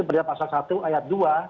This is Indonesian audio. beliau pasal satu ayat dua